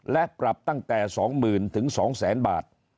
และปรับตั้งแต่๒หมื่นถึง๒แสนบาท